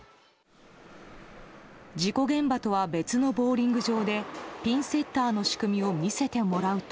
事故現場とは別のボウリング場でピンセッターの仕組みを見せてもらうと。